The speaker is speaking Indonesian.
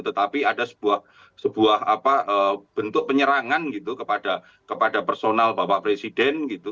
tetapi ada sebuah bentuk penyerangan gitu kepada personal bapak presiden gitu